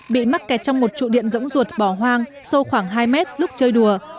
bị mắc kẹt trong một trụ điện rỗng ruột bỏ hoang sâu khoảng hai mét lúc chơi đùa